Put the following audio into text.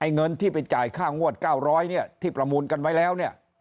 เงินที่ไปจ่ายค่างวด๙๐๐เนี่ยที่ประมูลกันไว้แล้วเนี่ย